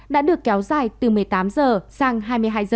đã được kéo dài từ một mươi tám h sang hai mươi hai h